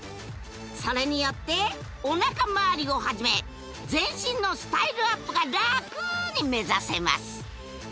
それによっておなかまわりをはじめ全身のスタイルアップが楽に目指せます